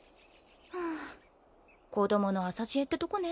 ハァ子供の浅知恵ってとこね。